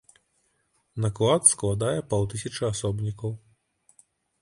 Наклад складае паўтысячы асобнікаў.